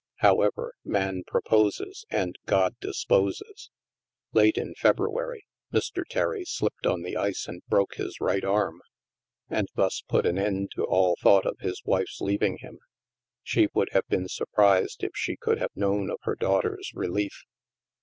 However, man proposes, and God disposes. Late THE MAELSTROM 209 in February, Mr. Terry slipped on the ice and broke his right arm, and thus put an end to all thought of his wife's leaving him. She would have been sur prised if she could have known of her daughter's relief.